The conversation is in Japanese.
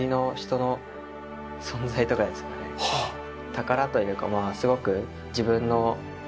宝というかすごく自分の。